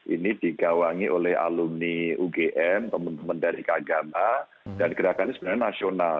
ini digawangi oleh alumni ugm teman teman dari kagama dan gerakan ini sebenarnya nasional